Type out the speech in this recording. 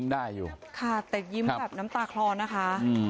นี่อืมแต่ยิ้มแบบน้ำตาคลอนนะคะอืม